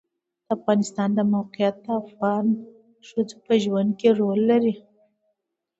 د افغانستان د موقعیت د افغان ښځو په ژوند کې رول لري.